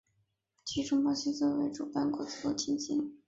其中巴西作为主办国自动晋级。